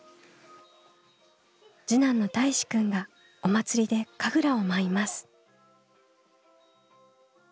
次男のたいしくんがお祭りで神楽を舞います。